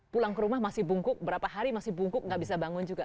pulang ke rumah masih bungkuk berapa hari masih bungkuk nggak bisa bangun juga